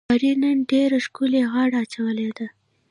سارې نن ډېره ښکلې غاړه اچولې ده.